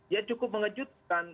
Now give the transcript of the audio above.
ya cukup mengejutkan